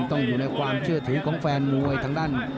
ต้องอยู่ในความเชื่อถือของแฟนมวยทางด้าน